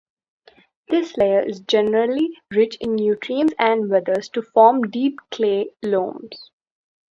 This layer is generally rich in nutrients and weathers to form deep clay loams.